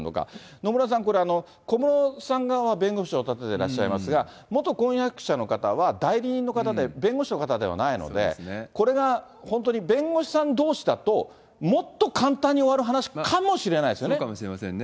野村さん、これ、小室さん側は弁護士を立てていらっしゃいますが、元婚約者の方は代理人の方で弁護士の方ではないので、これが本当に弁護士さんどうしだと、もっと簡単に終わる話かもしれないですそうかもしれませんね。